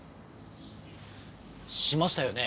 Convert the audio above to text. しましたよね？